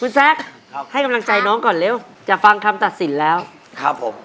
คุณแซคครับให้กำลังใจน้องก่อนเร็วจะฟังคำตัดสินแล้วครับผม